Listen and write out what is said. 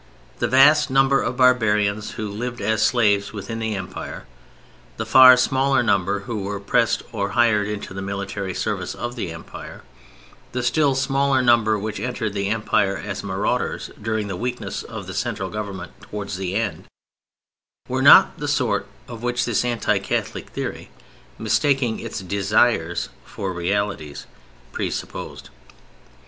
The vast number of barbarians who lived as slaves within the Empire, the far smaller number who were pressed or hired into the military service of the Empire, the still smaller number which entered the Empire as marauders, during the weakness of the Central Government towards its end, were not of the sort which this anti Catholic theory, mistaking its desires for realities, pre supposed.